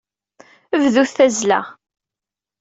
Bdut tazzla.